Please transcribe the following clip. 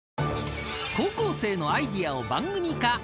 ［高校生のアイデアを番組化。